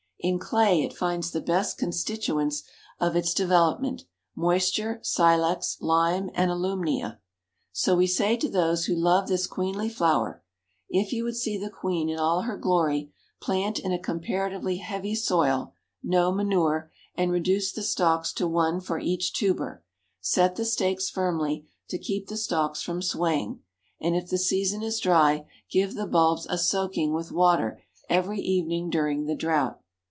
In clay it finds the best constituents of its development moisture, silex, lime and alumnia. So we say to those who love this queenly flower, if you would see the queen in all her glory, plant in a comparatively heavy soil, no manure, and reduce the stalks to one for each tuber, set the stakes firmly, to keep the stalks from swaying, and if the season is dry, give the bulbs a soaking with water every evening during the drought.